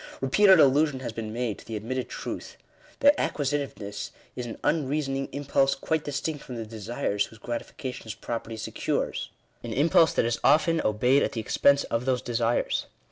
Bepeated allusion has been made to the admitted truth, that acquisitiveness is an unreasoning impulse quite dis tinct from the desires whose gratifications property secures — an impulse that is often obeyed at the expense of those desires.